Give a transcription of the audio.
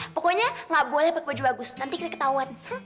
pokoknya gak boleh pake baju bagus nanti kita ketahuan